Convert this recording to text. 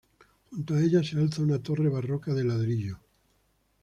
Junto a ella se alza una torre barroca de ladrillo.